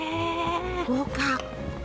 豪華。